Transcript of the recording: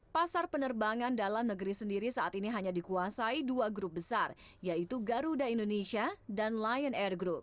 pasar penerbangan dalam negeri sendiri saat ini hanya dikuasai dua grup besar yaitu garuda indonesia dan lion air group